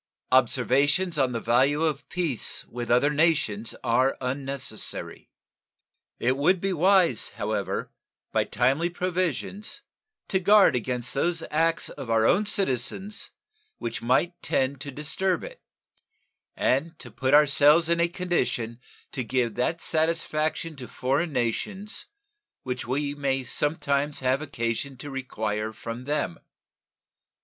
Observations on the value of peace with other nations are unnecessary. It would be wise, however, by timely provisions to guard against those acts of our own citizens which might tend to disturb it, and to put ourselves in a condition to give that satisfaction to foreign nations which we may sometimes have occasion to require from them.